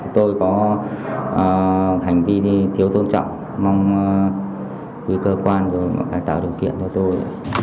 tôi có hành vi thiếu tôn trọng mong quý cơ quan rồi phải tạo điều kiện cho tôi